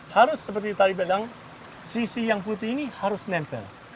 harus seperti tadi bilang sisi yang putih ini harus nempel